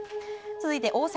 続いて、大阪。